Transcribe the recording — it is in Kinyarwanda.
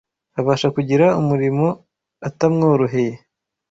abasha kugira umurimo utamworoheye